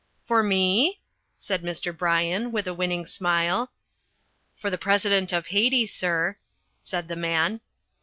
"For me?" said Mr. Bryan, with a winning smile. "For the President of Haiti, sir," said the man.